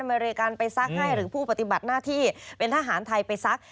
อเมริกันไปซักให้หรือผู้ปฏิบัติหน้าที่เป็นทหารไทยไปซัก